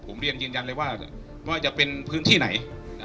ผมเรียนยืนยันเลยว่าจะเป็นพื้นที่ไหน